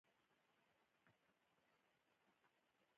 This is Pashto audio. افغانستان د قومونه کوربه دی.